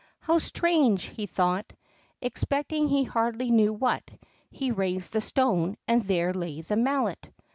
"How strange!" he thought, expecting he hardly knew what; he raised the stone, and there lay the Mallet!